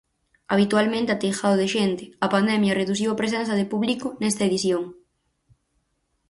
Habitualmente ateigado de xente, a pandemia reduciu a presenza de público nesta edición.